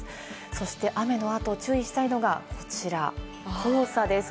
そして雨の後、注意したいのがこちら、黄砂です。